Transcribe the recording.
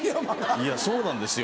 いやそうなんですよ。